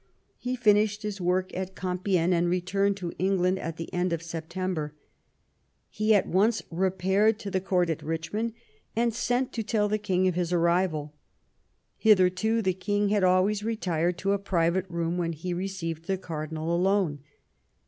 He finished his work at Compiegne and returned to England at the end of September. He at once repaired to the Court at Eichmond, and 3ent to tell the king of his arrival. Hitherto the king had always retired to a private room when he received the cardinal alone.